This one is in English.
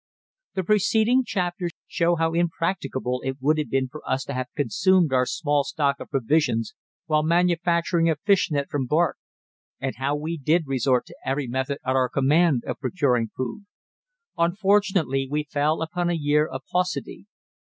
The preceding chapters show how impracticable it would have been for us to have consumed our small stock of provisions while manufacturing a fish net from bark; and how we did resort to every method at our command of procuring food. Unfortunately we fell upon a year of paucity.